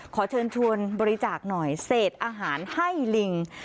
ขอเชิญชวนบริจาคหน่อยเศษอาหารให้ลิง